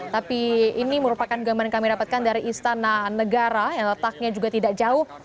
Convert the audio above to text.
tapi ini merupakan gambar yang kami dapatkan dari istana negara yang letaknya juga tidak jauh